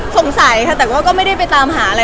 สงสัยค่ะแต่ก็ไม่ได้ไปตามหาอะไร